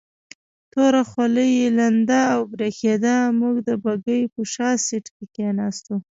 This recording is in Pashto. توره خولۍ یې لنده او برېښېده، موږ د بګۍ په شا سیټ کې کېناستو.